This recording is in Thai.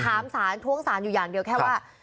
ถามสารท้วงสารอยู่อย่างเดียวแค่ว่า